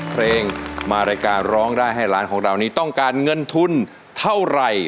เพลงมารายการร้องได้ให้ร้านของเรานี้ต้องการเงินทุนเท่าไหร่